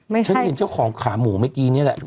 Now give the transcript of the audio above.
ไม่ใช่ฉันเห็นเจ้าของขาหมูแม่งเกี้ยนี่แหละ